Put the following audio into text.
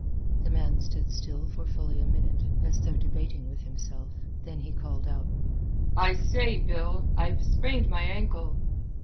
The man stood still for fully a minute, as though debating with himself. Then he called out: "I say, Bill, I've sprained my ankle."